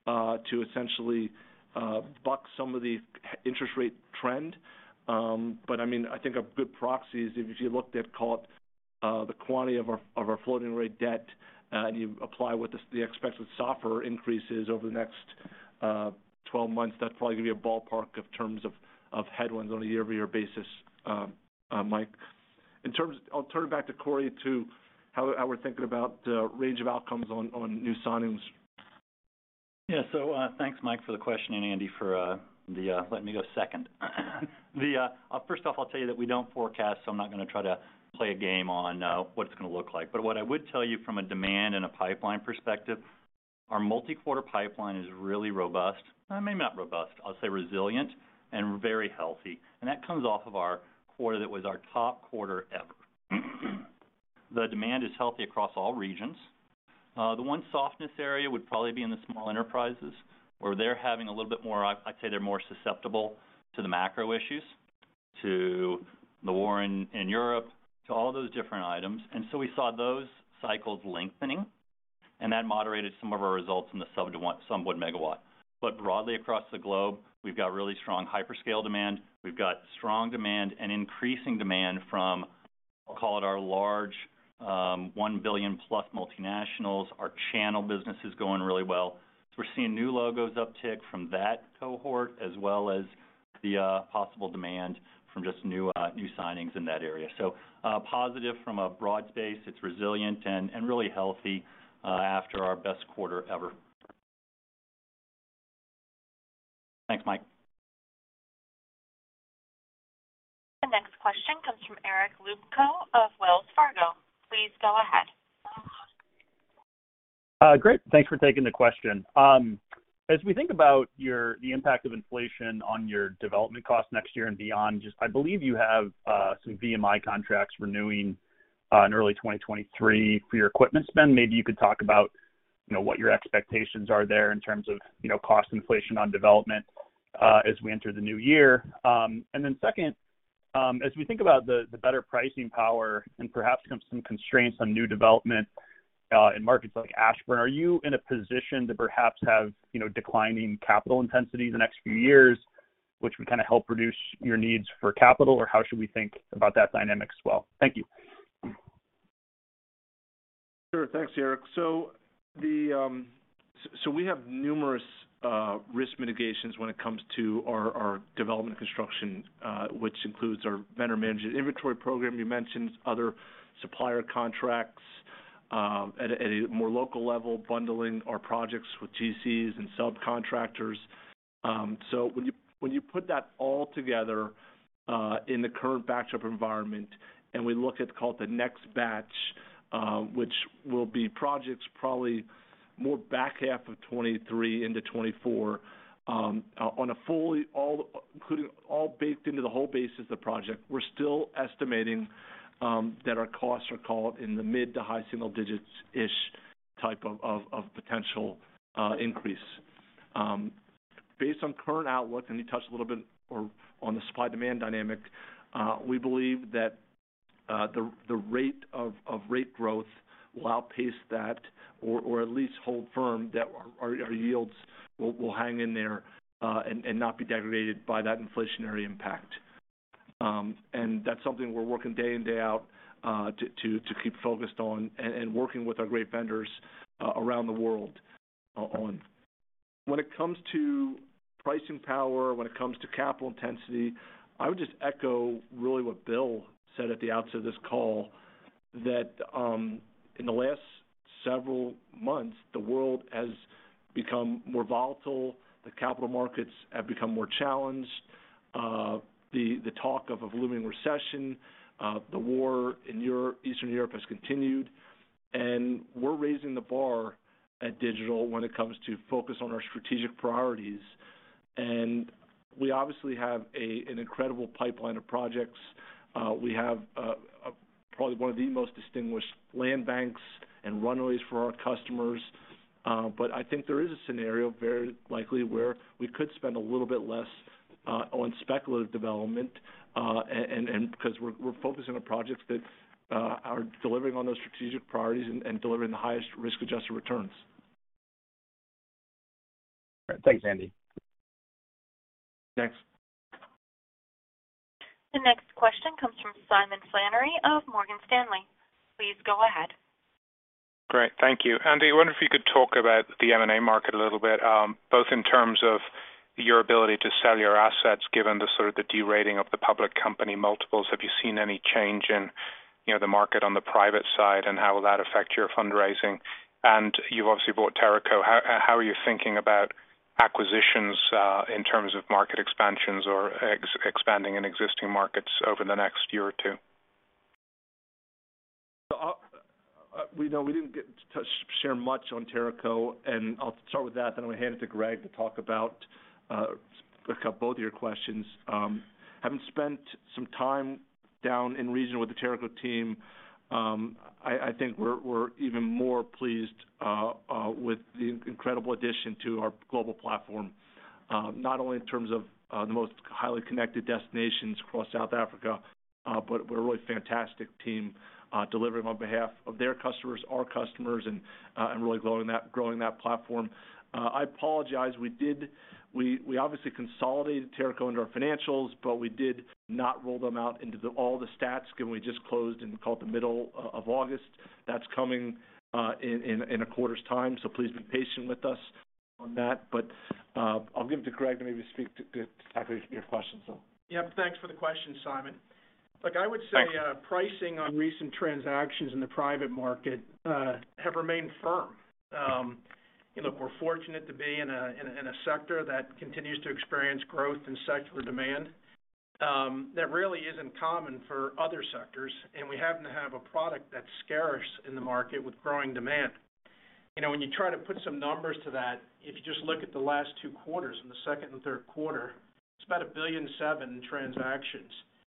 to essentially buck some of the interest rate trend. I mean, I think a good proxy is if you looked at, call it, the quantity of our floating rate debt, and you apply what the expected SOFR increases over the next 12 months, that'd probably give you a ballpark in terms of headwinds on a year-over-year basis, Mike. In terms, I'll turn it back to Corey on how we're thinking about range of outcomes on new signings. Yeah. Thanks, Mike, for the question, and Andy for letting me go second. First off, I'll tell you that we don't forecast, so I'm not gonna try to play a game on what it's gonna look like. But what I would tell you from a demand and a pipeline perspective, our multi-quarter pipeline is really robust. Maybe not robust. I'll say resilient and very healthy, and that comes off of our quarter that was our top quarter ever. The demand is healthy across all regions. The one softness area would probably be in the small enterprises, where they're having a little bit more. I'd say they're more susceptible to the macro issues, to the war in Europe, to all those different items. We saw those cycles lengthening, and that moderated some of our results in the sub- to 1 MW. Broadly across the globe, we've got really strong hyperscale demand. We've got strong demand and increasing demand from, I'll call it our large, 1 billion+ multinationals. Our channel business is going really well. We're seeing new logos uptick from that cohort as well as the possible demand from just new signings in that area. Positive from a broad space. It's resilient and really healthy after our best quarter ever. Thanks, Mike. The next question comes from Eric Luebchow of Wells Fargo. Please go ahead. Great. Thanks for taking the question. As we think about the impact of inflation on your development costs next year and beyond, just I believe you have some VMI contracts renewing in early 2023 for your equipment spend. Maybe you could talk about, you know, what your expectations are there in terms of, you know, cost inflation on development as we enter the new year. And then second, as we think about the better pricing power and perhaps some constraints on new development in markets like Ashburn, are you in a position to perhaps have, you know, declining capital intensity the next few years, which would kinda help reduce your needs for capital? Or how should we think about that dynamic as well? Thank you. Sure. Thanks, Eric. We have numerous risk mitigations when it comes to our development construction, which includes our vendor managed inventory program you mentioned, other supplier contracts at a more local level, bundling our projects with GCs and subcontractors. When you put that all together in the current environment, and we look at, call it, the next batch, which will be projects probably in the back half of 2023 into 2024, including all baked into the whole basis of the project, we're still estimating that our costs are capped in the mid- to high single digits-ish type of potential increase. Based on current outlook, and you touched a little bit or on the supply demand dynamic, we believe that the rate of rate growth will outpace that or at least hold firm that our yields will hang in there and not be degraded by that inflationary impact. That's something we're working day in, day out to keep focused on and working with our great vendors around the world on. When it comes to pricing power, when it comes to capital intensity, I would just echo really what Bill said at the outset of this call, that in the last several months, the world has become more volatile. The capital markets have become more challenged. The talk of a looming recession, the war in Eastern Europe has continued, and we're raising the bar at Digital when it comes to focus on our strategic priorities. We obviously have an incredible pipeline of projects. We have probably one of the most distinguished land banks and runways for our customers. I think there is a scenario very likely where we could spend a little bit less on speculative development, and because we're focusing on projects that are delivering on those strategic priorities and delivering the highest risk-adjusted returns. Thanks, Andy. Next. The next question comes from Simon Flannery of Morgan Stanley. Please go ahead. Great. Thank you. Andy, I wonder if you could talk about the M&A market a little bit, both in terms of your ability to sell your assets given the sort of the de-rating of the public company multiples. Have you seen any change in, you know, the market on the private side, and how will that affect your fundraising? You've obviously bought Teraco. How are you thinking about acquisitions, in terms of market expansions or expanding in existing markets over the next year or two? We know we didn't get to share much on Teraco, and I'll start with that, then I'm gonna hand it to Greg to talk about both of your questions. Having spent some time down in the region with the Teraco team, I think we're even more pleased with the incredible addition to our global platform, not only in terms of the most highly connected destinations across South Africa, but with a really fantastic team delivering on behalf of their customers, our customers, and really growing that platform. I apologize. We obviously consolidated Teraco into our financials, but we did not roll them out into all the stats, given we just closed in, call it the middle of August. That's coming in a quarter's time, so please be patient with us. On that, I'll give it to Greg maybe speak to tackle your question so. Yep. Thanks for the question, Simon. Look, I would say. Thanks pricing on recent transactions in the private market have remained firm. You know, we're fortunate to be in a sector that continues to experience growth and secular demand that really isn't common for other sectors. We happen to have a product that's scarce in the market with growing demand. You know, when you try to put some numbers to that, if you just look at the last two quarters, in the second and third quarter, it's about $1.7 billion transactions.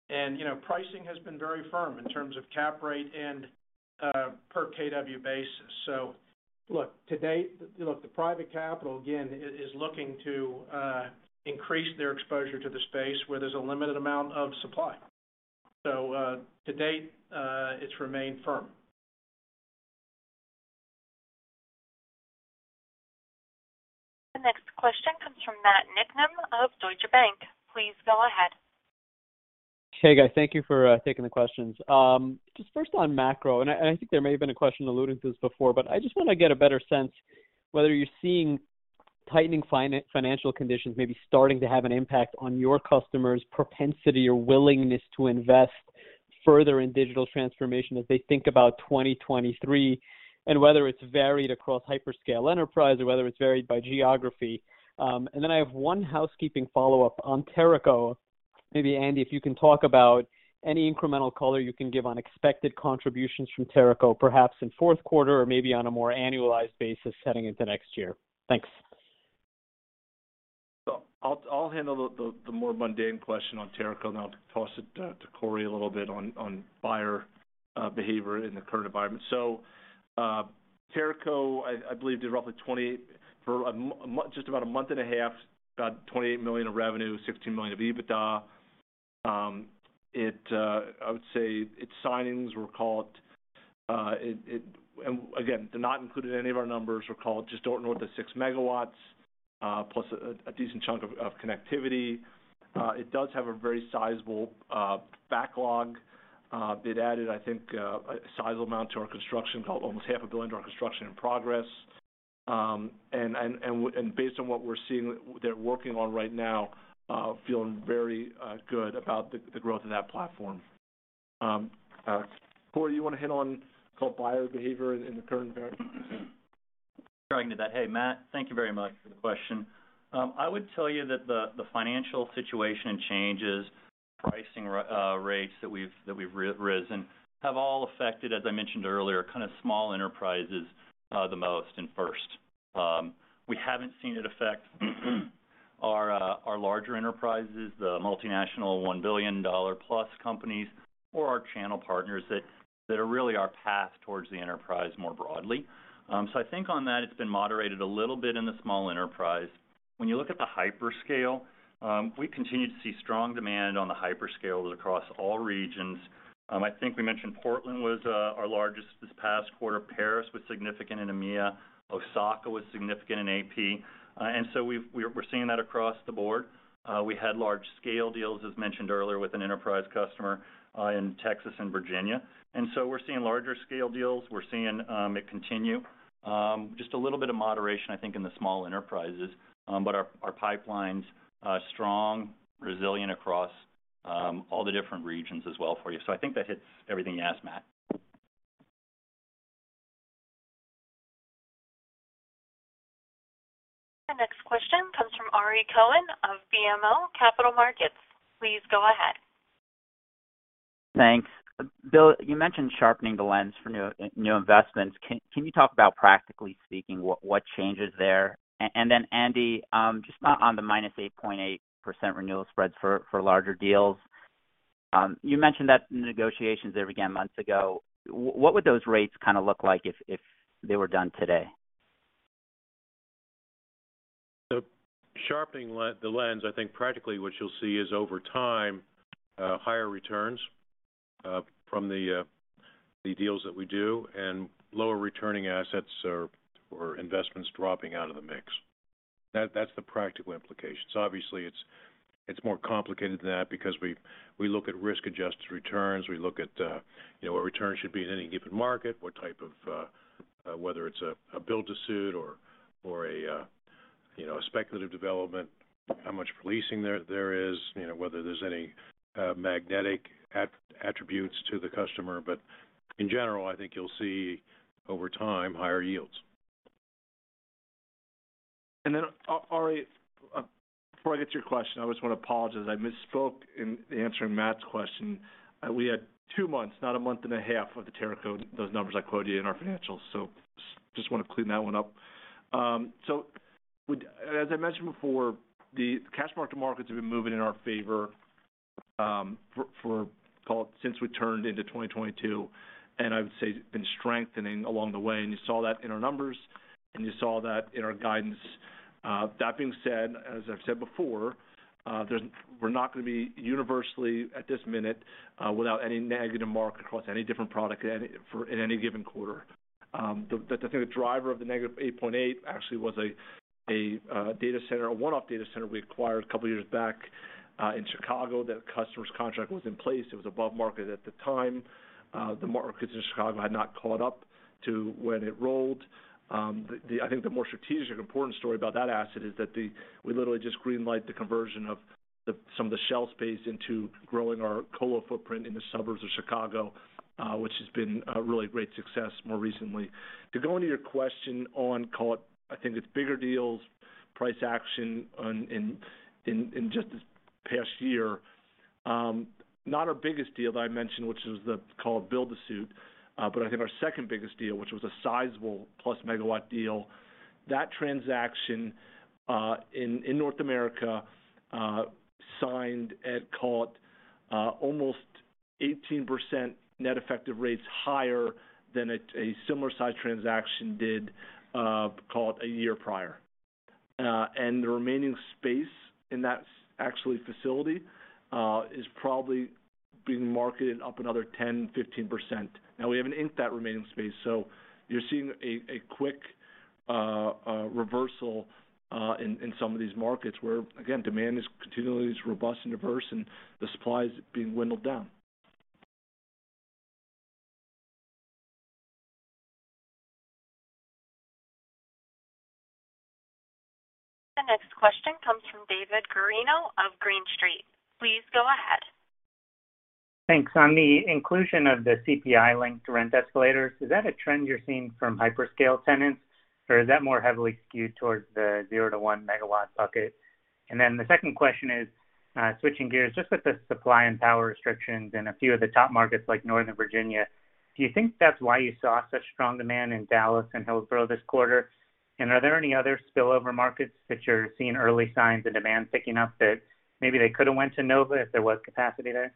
You know, pricing has been very firm in terms of cap rate and per kW basis. To date, the private capital again is looking to increase their exposure to the space where there's a limited amount of supply. To date, it's remained firm. The next question comes from Matt Niknam of Deutsche Bank. Please go ahead. Hey, guys. Thank you for taking the questions. Just first on macro, I think there may have been a question alluding to this before, but I just want to get a better sense whether you're seeing tightening financial conditions maybe starting to have an impact on your customers' propensity or willingness to invest further in digital transformation as they think about 2023, and whether it's varied across hyperscale enterprise or whether it's varied by geography. I have one housekeeping follow-up on Teraco. Maybe, Andy, if you can talk about any incremental color you can give on expected contributions from Teraco, perhaps in fourth quarter or maybe on a more annualized basis heading into next year. Thanks. I'll handle the more mundane question on Teraco, and I'll toss it to Corey a little bit on buyer behavior in the current environment. Teraco, I believe did roughly just about a month and a half, about $28 million of revenue, $16 million of EBITDA. I would say its signings were call it just north of 6 MW, plus a decent chunk of connectivity. It does have a very sizable backlog. It added, I think, a sizable amount to our construction, call it almost half a billion to our construction in progress. Based on what we're seeing they're working on right now, feeling very good about the growth of that platform. Corey, you want to hit on colocation buyer behavior in the current environment? Sure, I can do that. Hey, Matt, thank you very much for the question. I would tell you that the financial situation and changes, pricing rates that we've risen have all affected, as I mentioned earlier, kind of small enterprises the most and first. We haven't seen it affect our larger enterprises, the multinational $1 billion+ companies, or our channel partners that are really our path towards the enterprise more broadly. I think on that it's been moderated a little bit in the small enterprise. When you look at the hyperscalers, we continue to see strong demand on the hyperscalers across all regions. I think we mentioned Portland was our largest this past quarter. Paris was significant in EMEA. Osaka was significant in AP. We're seeing that across the board. We had large-scale deals, as mentioned earlier, with an enterprise customer in Texas and Virginia. We're seeing larger-scale deals. We're seeing it continue. Just a little bit of moderation, I think, in the small enterprises. But our pipeline's strong, resilient across all the different regions as well for you. I think that hits everything you asked, Matt. The next question comes from Ari Klein of BMO Capital Markets. Please go ahead. Thanks. Bill, you mentioned sharpening the lens for new investments. Can you talk about practically speaking, what changes there? Andy, just on the -8.8% renewal spreads for larger deals. You mentioned that negotiations there began months ago. What would those rates kind of look like if they were done today? Sharpening the lens, I think practically what you'll see is over time, higher returns from the deals that we do and lower returning assets or investments dropping out of the mix. That's the practical implications. Obviously, it's more complicated than that because we look at risk-adjusted returns. We look at you know, what returns should be in any given market, what type of whether it's a build-to-suit or a speculative development, how much leasing there is, you know, whether there's any magnetic attributes to the customer. In general, I think you'll see over time, higher yields. Then, Ari, before I get to your question, I just want to apologize. I misspoke in answering Matt's question. We had two months, not a month and a half, of the Teraco, those numbers I quoted you in our financials. Just want to clean that one up. As I mentioned before, the cash markets have been moving in our favor for, call it, since we turned into 2022, and I would say been strengthening along the way, and you saw that in our numbers, and you saw that in our guidance. That being said, as I've said before, we're not going to be universally at this minute without any negative mark across any different product in any given quarter. I think the driver of the -8.8% actually was a one-off data center we acquired a couple of years back. In Chicago, the customer's contract was in place. It was above market at the time. The markets in Chicago had not caught up to when it rolled. I think the more strategic important story about that asset is that we literally just greenlight the conversion of some of the shell space into growing our colo footprint in the suburbs of Chicago, which has been a really great success more recently. To go into your question on, call it, I think it's bigger deals, price action in just this past year. Not our biggest deal that I mentioned, which was the call it build-to-suit, but I think our second biggest deal, which was a sizable plus megawatt deal. That transaction in North America signed at call it almost 18% net effective rates higher than a similar size transaction did call it a year prior. The remaining space in that actually facility is probably being marketed up another 10%-15%. Now we haven't inked that remaining space, so you're seeing a quick reversal in some of these markets where, again, demand is continually robust and diverse and the supply is being whittled down. The next question comes from David Guarino of Green Street. Please go ahead. Thanks. On the inclusion of the CPI-linked rent escalators, is that a trend you're seeing from hyperscale tenants, or is that more heavily skewed towards the 0-1 MW bucket? The second question is, switching gears, just with the supply and power restrictions in a few of the top markets like Northern Virginia, do you think that's why you saw such strong demand in Dallas and Hillsboro this quarter? Are there any other spillover markets that you're seeing early signs of demand picking up that maybe they could have went to Nova if there was capacity there?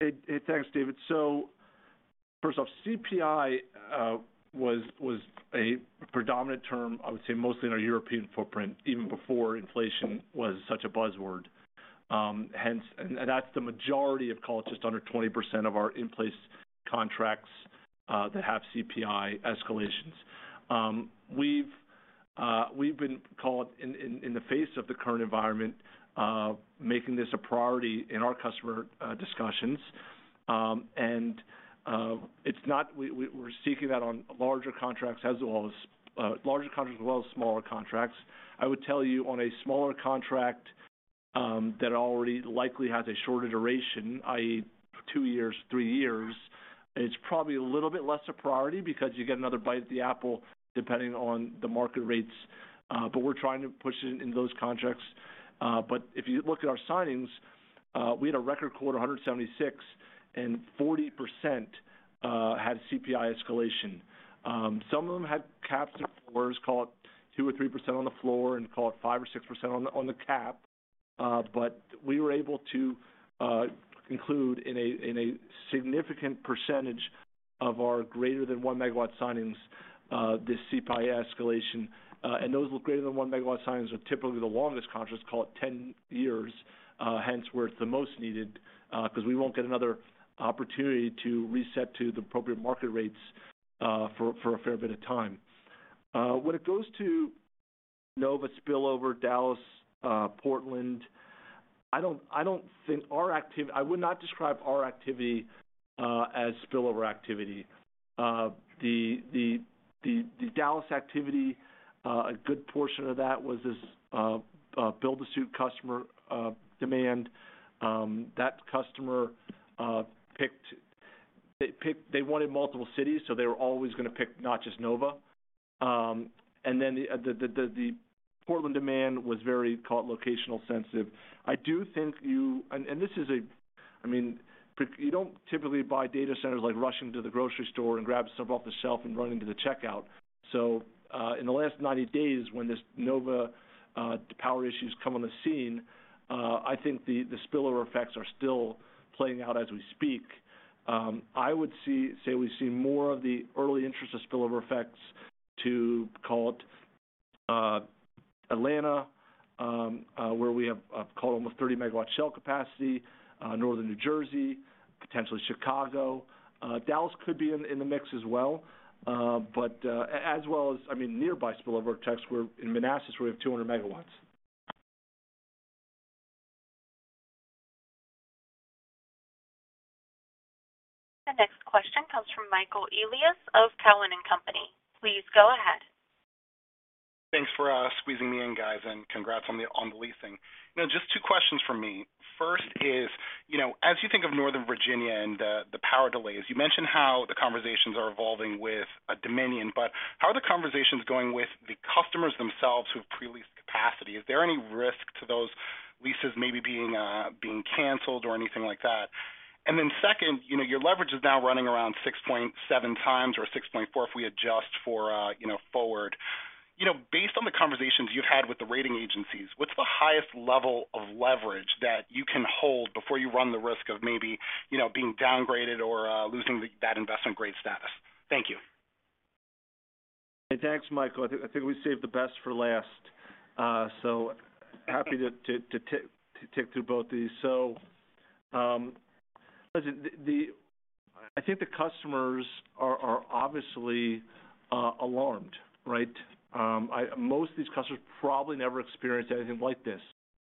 Hey, thanks, David. First off, CPI was a predominant term, I would say, mostly in our European footprint, even before inflation was such a buzzword. Hence, that's the majority of, call it just under 20% of our in-place contracts that have CPI escalations. We've been, call it, in the face of the current environment, making this a priority in our customer discussions. We're seeking that on larger contracts as well as smaller contracts. I would tell you on a smaller contract that already likely has a shorter duration, i.e., two years, three years, it's probably a little bit less a priority because you get another bite at the apple depending on the market rates. We're trying to push it in those contracts. If you look at our signings, we had a record quarter, 176, and 40% had CPI escalation. Some of them had caps and floors, call it 2%-3% on the floor and call it 5%-6% on the cap. We were able to include in a significant percentage of our greater than 1 MW signings this CPI escalation. Those greater than 1 MW signings are typically the longest contracts, call it 10 years, hence where it's the most needed, because we won't get another opportunity to reset to the appropriate market rates for a fair bit of time. When it goes to Nova spillover, Dallas, Portland, I don't think our activity. I would not describe our activity as spillover activity. The Dallas activity, a good portion of that was this build-to-suit customer demand. That customer picked. They wanted multiple cities, so they were always gonna pick not just Nova. Then the Portland demand was very, call it, locationally sensitive. I do think this is a. I mean, you don't typically buy data centers like rushing to the grocery store and grab stuff off the shelf and run into the checkout. In the last 90 days, when this Nova power issues come on the scene, I think the spillover effects are still playing out as we speak. I would say we see more of the early interests of spillover effects to, call it, Atlanta, where we have, call it almost 30 MW shell capacity, Northern New Jersey, potentially Chicago. Dallas could be in the mix as well. As well as, I mean, nearby spillover effects were in Manassas, where we have 200 MW. The next question comes from Michael Elias of Cowen and Company. Please go ahead. Thanks for squeezing me in, guys, and congrats on the leasing. You know, just two questions from me. First is, you know, as you think of Northern Virginia and the power delays, you mentioned how the conversations are evolving with Dominion, but how are the conversations going with the customers themselves who've pre-leased capacity? Is there any risk to those leases maybe being canceled or anything like that? And then second, you know, your leverage is now running around 6.7x or 6.4x if we adjust for, you know, forward. You know, based on the conversations you've had with the rating agencies, what's the highest level of leverage that you can hold before you run the risk of maybe, you know, being downgraded or losing that investment-grade status? Thank you. Thanks, Michael. I think we saved the best for last. Happy to take through both of these. Listen, I think the customers are obviously alarmed, right? Most of these customers probably never experienced anything like this.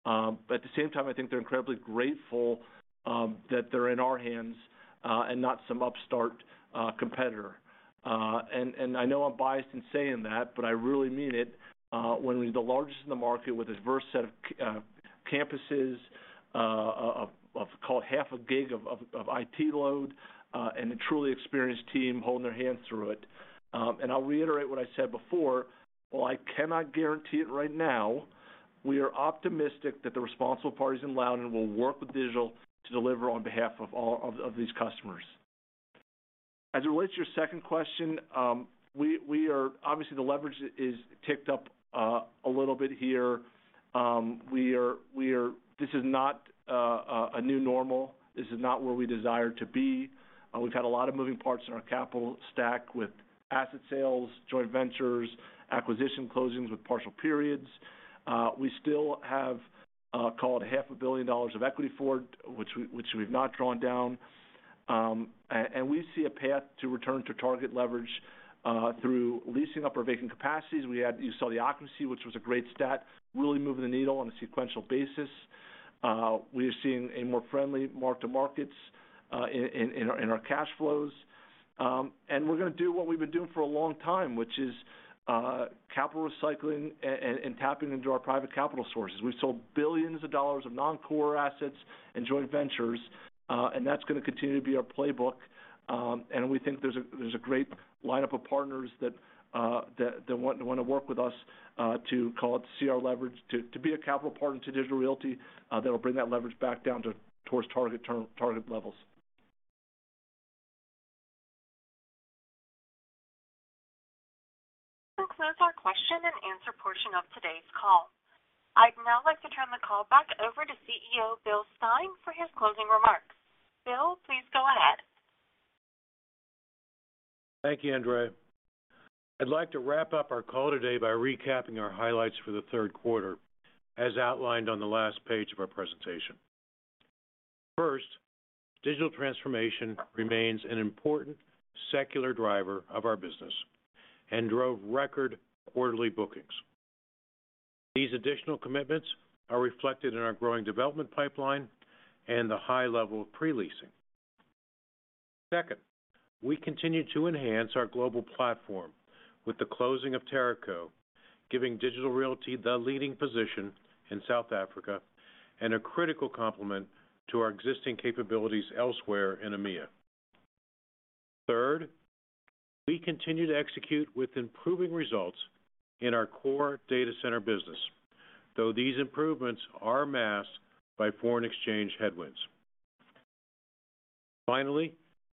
At the same time, I think they're incredibly grateful that they're in our hands and not some upstart competitor. I know I'm biased in saying that, but I really mean it. When we're the largest in the market with a diverse set of campuses of call it half a gig of IT load and a truly experienced team holding their hands through it. I'll reiterate what I said before. While I cannot guarantee it right now, we are optimistic that the responsible parties in Loudoun will work with Digital to deliver on behalf of all of these customers. As it relates to your second question, obviously the leverage is ticked up a little bit here. This is not a new normal. This is not where we desire to be. We've had a lot of moving parts in our capital stack with asset sales, joint ventures, acquisition closings with partial periods. We still have call it $500 million of equity forward, which we've not drawn down. We see a path to return to target leverage through leasing up our vacant capacities. You saw the occupancy, which was a great stat, really moving the needle on a sequential basis. We are seeing a more friendly mark-to-market in our cash flows. We're gonna do what we've been doing for a long time, which is capital recycling and tapping into our private capital sources. We've sold billions of dollars of non-core assets and joint ventures. That's gonna continue to be our playbook. We think there's a great lineup of partners that want to work with us to call it core leverage to be a capital partner to Digital Realty, that'll bring that leverage back down towards target levels. This concludes our question and answer portion of today's call. I'd now like to turn the call back over to CEO Bill Stein for his closing remarks. Bill, please go ahead. Thank you, Andrea. I'd like to wrap up our call today by recapping our highlights for the third quarter, as outlined on the last page of our presentation. First, digital transformation remains an important secular driver of our business and drove record quarterly bookings. These additional commitments are reflected in our growing development pipeline and the high level of pre-leasing. Second, we continue to enhance our global platform with the closing of Teraco, giving Digital Realty the leading position in South Africa and a critical complement to our existing capabilities elsewhere in EMEA. Third, we continue to execute with improving results in our core data center business, though these improvements are masked by foreign exchange headwinds. Finally,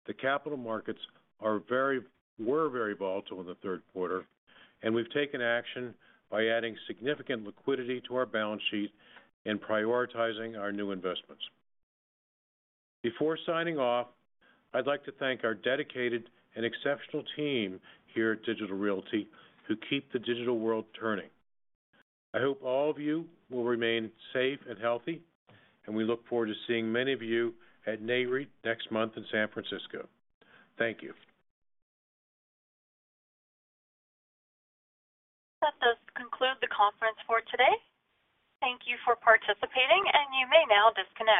the capital markets were very volatile in the third quarter, and we've taken action by adding significant liquidity to our balance sheet and prioritizing our new investments. Before signing off, I'd like to thank our dedicated and exceptional team here at Digital Realty who keep the digital world turning. I hope all of you will remain safe and healthy, and we look forward to seeing many of you at Nareit next month in San Francisco. Thank you. That does conclude the conference for today. Thank you for participating, and you may now disconnect.